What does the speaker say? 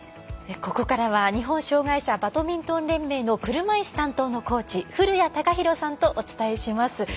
ここからは日本障がい者バドミントン連盟の車いす担当のコーチ古屋貴啓さんとお伝えします。